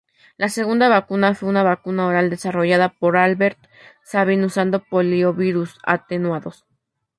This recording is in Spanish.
La segunda vacuna fue una vacuna oral desarrollada por Albert Sabin usando poliovirus atenuados.